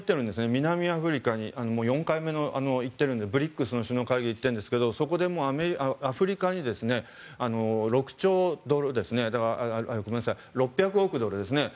南アフリカに４回目、行ってるんですがＢＲＩＣＳの首脳会議に行っているんですけどそこにアフリカに６００億ドルですね。